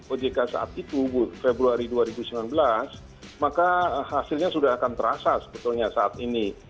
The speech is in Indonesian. ojk saat itu februari dua ribu sembilan belas maka hasilnya sudah akan terasa sebetulnya saat ini